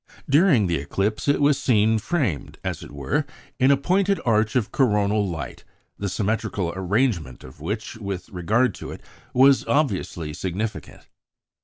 During the eclipse, it was seen framed, as it were, in a pointed arch of coronal light, the symmetrical arrangement of which with regard to it was obviously significant.